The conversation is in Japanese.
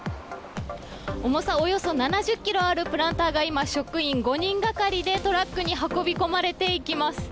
重さおよそ７０キロあるプランターが今、職員５人がかりでトラックに運び込まれていきます。